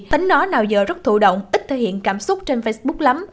tính nó nào giờ rất thủ động ít thể hiện cảm xúc trên facebook lắm